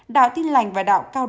đạo tinh lành và đạo cao đa